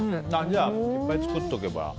じゃあいっぱい作っておけば。